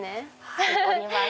はいおります。